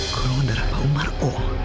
golongan darah pak umar o